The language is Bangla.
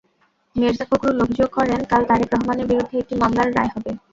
মির্জা ফখরুল অভিযোগ করেন, কাল তারেক রহমানের বিরুদ্ধে একটি মামলার রায় হবে।